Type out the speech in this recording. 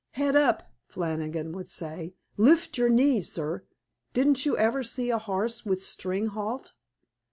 "Head up," Flannigan would say. "Lift your knees, sir. Didn't you ever see a horse with string halt?"